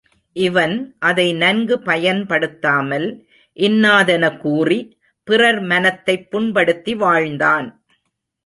இவன் அதை நன்கு பயன்படுத்தாமல் இன்னாதன கூறி, பிறர் மனத்தைப் புண்படுத்தி வாழ்ந்தான்.